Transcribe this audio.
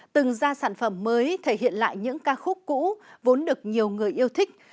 từng ra sản phẩm mới thể hiện lại những ca khúc cũ vốn được nhiều người yêu thích